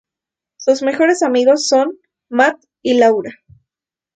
Sus mejores amigos son Matt y Laura.